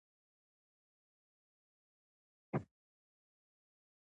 په هر ځای کې پرې خبرې وکړو.